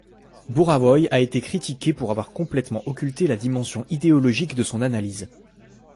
Burawoy a été critiqué pour avoir complètement occulté la dimension idéologique de son analyse.